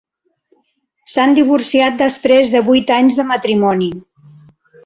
S'han divorciat després de vuit anys de matrimoni.